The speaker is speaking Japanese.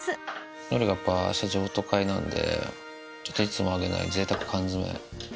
のりがやっぱあした譲渡会なんで、ちょっといつもあげないぜいたく缶詰。